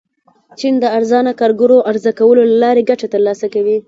چین د ارزانه کارګرو عرضه کولو له لارې ګټه ترلاسه کوي.